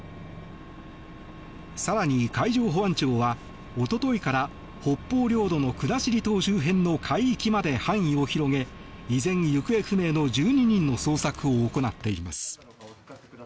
更に海上保安庁はおとといから北方領土の国後島周辺の海域まで範囲を広げ依然、行方不明の１２人の捜索を行っています。